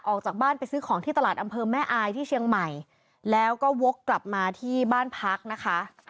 ออกจากบ้านไปซื้อของที่ตลาดอำเภอแม่อายที่เชียงใหม่แล้วก็วกกลับมาที่บ้านพักนะคะ